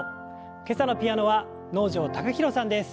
今朝のピアノは能條貴大さんです。